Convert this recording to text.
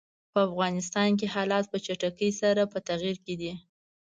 په افغانستان کې حالات په چټکۍ سره په تغییر کې دي.